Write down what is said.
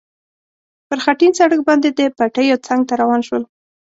پر خټین سړک باندې د پټیو څنګ ته روان شول.